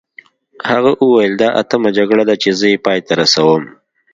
هغه وویل دا اتمه جګړه ده چې زه یې پای ته رسوم.